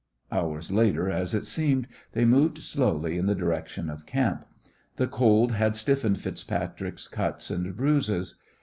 Hours later, as it seemed, they moved slowly in the direction of camp. The cold had stiffened FitzPatrick's cuts and bruises.